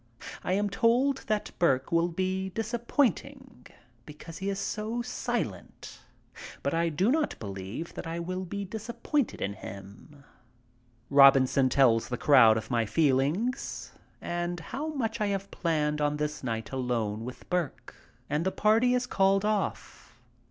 I am told that Burke will be disappointing because he is so silent, but I do not believe that I will be disappointed in him. 90 MY TRIP ABROAD Robinson tells the crowd of my feelings and how much I have planned on this night alone with Burke, and the party is called off.